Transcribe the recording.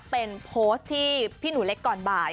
เป็นโพสต์ที่พี่หนูเล็กก่อนบ่าย